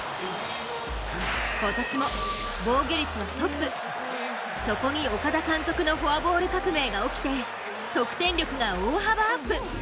今年も防御率はトップそこに岡田監督のフォアボール革命が起きて得点力が大幅アップ！